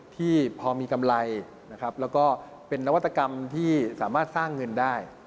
ที่พอมีกำไรนะครับแล้วก็เป็นนวัตกรรมที่สามารถสร้างเงินได้